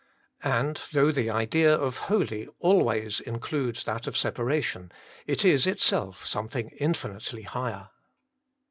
And though the idea of holy always includes that of separation, it is itself something infinitely higher.